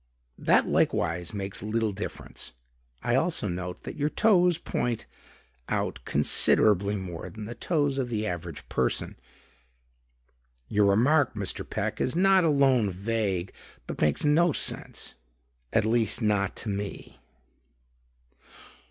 "That likewise makes little difference. I also note that your toes point out considerably more than the toes of the average person." "Your remark, Mr. Peck, is not alone vague, but makes no sense; at least not to me."